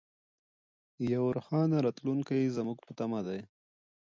یو روښانه راتلونکی زموږ په تمه دی.